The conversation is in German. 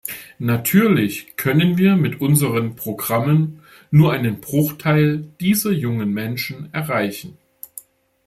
Natürlich können wir mit unseren Programmen nur einen Bruchteil dieser jungen Menschen erreichen.